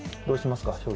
どうしますか？